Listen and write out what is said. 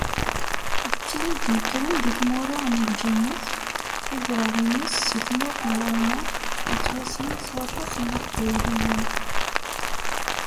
D tin i d-yekkren deg tmura n lǧennet, tadra-ines seg tmurt n Lalman yettwassnen s waṭas n Yiqbayliyen.